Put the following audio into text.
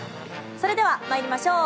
それでは参りましょう。